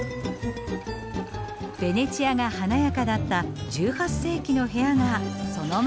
ベネチアが華やかだった１８世紀の部屋がそのまま残っています。